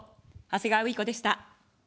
長谷川ういこでした。